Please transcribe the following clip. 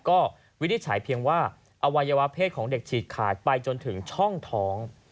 ก็วินิจฉัยเพียงว่าอวัยวะเพศของเด็กฉีกขาดไปจนถึงช่องท้อง